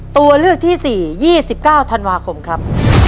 ตัวเลือกที่๔๒๙ธันวาคมครับ